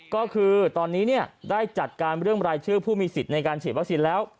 ก็คือตอนนี้ได้จัดการเรื่องรายชื่อผู้มีสิทธิ์ในการฉีดวัคซีนแล้ว